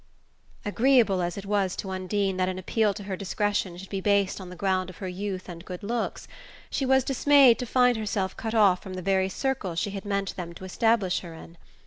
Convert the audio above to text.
Agreeable as it was to Undine that an appeal to her discretion should be based on the ground of her youth and good looks, she was dismayed to find herself cut off from the very circle she had meant them to establish her in.